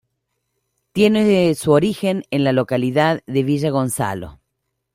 Tiene su origen en la localidad de Villagonzalo.